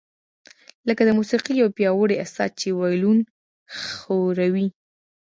لکه د موسیقۍ یو پیاوړی استاد چې وایلون ښوروي